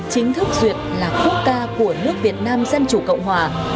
chính thức duyệt là quốc ca của nước việt nam dân chủ cộng hòa